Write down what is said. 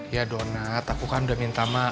ya dona aku kan udah minta sama